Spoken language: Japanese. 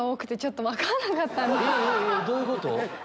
どういうこと？